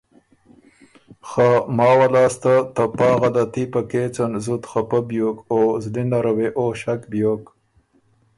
خه ماوه لاسته ته پا غلطي په کېڅن زُت خپۀ بیوک او زلی نره وې او ݭک بیوک